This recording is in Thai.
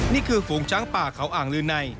นี่คือฝูงช้างป่าเขาอ่างลืนัย